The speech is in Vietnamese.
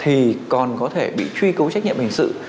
thì còn có thể bị truy cứu trách nhiệm hình sự